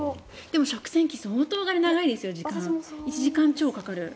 でも食洗機相当長いですよ１時間超かかる。